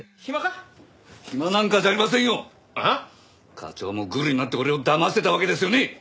課長もグルになって俺をだましてたわけですよね！？